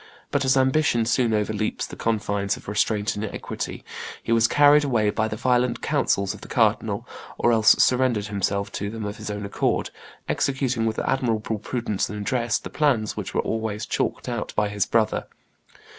But as ambition soon overleaps the confines of restraint and equity, he was carried away by the violent counsels of the cardinal, or else surrendered himself to them of his own accord, executing with admirable prudence and address the plans which were always chalked out by his brother."